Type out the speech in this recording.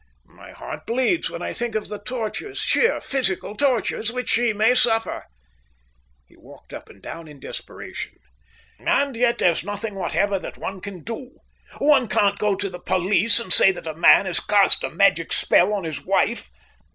My heart bleeds when I think of the tortures, sheer physical tortures, which she may suffer." He walked up and down in desperation. "And yet there's nothing whatever that one can do. One can't go to the police and say that a man has cast a magic spell on his wife."